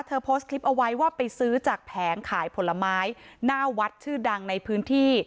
โพสต์คลิปเอาไว้ว่าไปซื้อจากแผงขายผลไม้หน้าวัดชื่อดังในพื้นที่